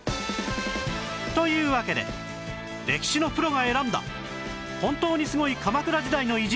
というわけで歴史のプロが選んだ本当にスゴい鎌倉時代の偉人